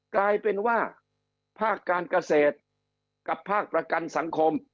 กลายเป็นว่าภาคการเกษตรกับภาคประกันสังคม